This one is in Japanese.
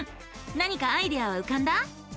何かアイデアはうかんだ？